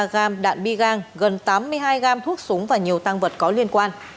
hai trăm ba mươi ba gam đạn bi gang gần tám mươi hai gam thuốc súng và nhiều tăng vật có liên quan